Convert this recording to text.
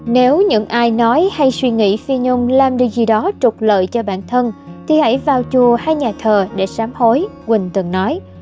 nếu những ai nói hay suy nghĩ phi nhung làm được gì đó trục lợi cho bản thân thì hãy vào chùa hay nhà thờ để sám hối quỳnh từng nói